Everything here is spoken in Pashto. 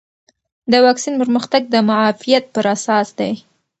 د واکسین پرمختګ د معافیت پر اساس دی.